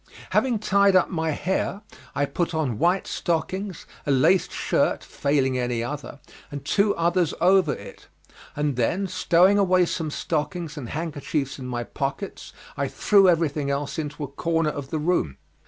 Having tied up my hair, I put on white stockings, a laced shirt, failing any other, and two others over it, and then stowing away some stockings and handkerchiefs in my pockets, I threw everything else into a corner of the room.